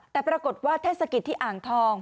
แต่ปรากฏว่าเทศกิจที่อ่างทอง